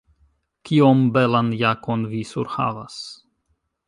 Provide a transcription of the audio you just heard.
Kiom belan jakon vi surhavas.